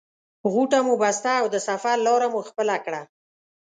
غوټه مو بسته او د سفر لاره مو خپله کړه.